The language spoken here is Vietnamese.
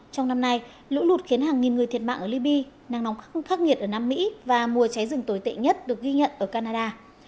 trong năm nay lũ lụt khiến hàng nghìn người thiệt mạng ở liby nắng nóng khắc nghiệt ở nam mỹ và mùa cháy rừng tồi tệ nhất được ghi nhận ở canada